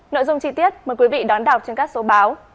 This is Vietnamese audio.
nội dung chi tiết mời quý vị đón đọc trên các số báo